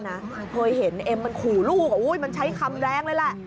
แมลกพอเห็นเอ็มมันขู่ลูกมันใช้คำแรงเลย